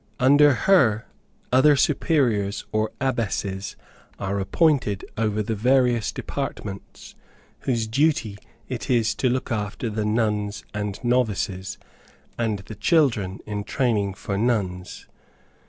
Under her other superiors or abbesses are appointed over the various departments, whose duty it is to look after the nuns and novices, and the children in training for nuns.